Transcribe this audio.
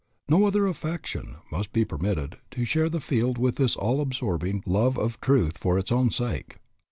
No other affection must be permitted to share the field with this all absorbing love of truth for its own sake.